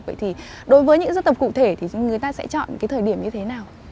vậy thì đối với những dân tập cụ thể thì người ta sẽ chọn cái thời điểm như thế nào